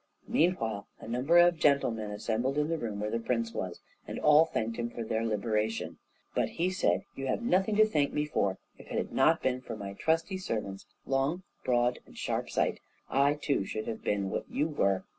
Meanwhile a number of gentlemen assembled in the room where the prince was, and all thanked him for their liberation. But he said: "You have nothing to thank me for; if it had not been for my trusty servants Long, Broad, and Sharpsight, I too, should have been what you were."